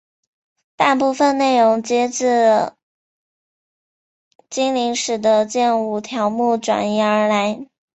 大部分内容皆自精灵使的剑舞条目转移而来。